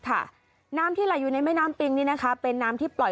ค่ะน้ำที่ไหลอยู่ในแม่นน้ำปริงนี่นะคะเป็นน้ำที่ปล่อย